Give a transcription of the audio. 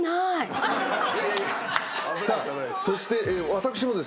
さあそして私もですね